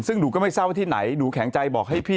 ซึ่งหนูก็ไม่เศร้าว่าที่ไหนหนูแข็งใจบอกให้พี่